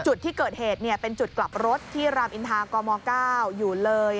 จุดที่เกิดเหตุเป็นจุดกลับรถที่รามอินทากม๙อยู่เลย